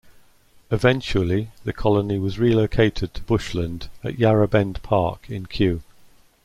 Eventually the colony was relocated to bushland at Yarra Bend Park in Kew.